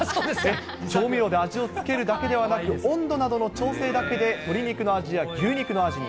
調味料で味をつけるだけでなく、温度の調整だけで鶏肉の味や牛肉の味に。